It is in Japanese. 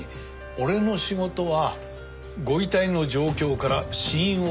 俺の仕事はご遺体の状況から死因を特定するまでだ。